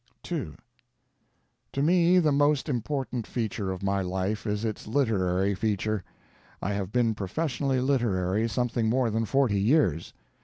II To me, the most important feature of my life is its literary feature. I have been professionally literary something more than forty years.